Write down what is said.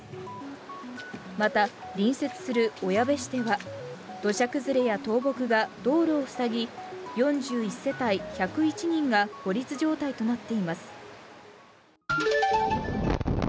また隣接する小矢部市では、土砂崩れや倒木が道路を塞ぎ４１世帯１０１人が孤立状態となっています。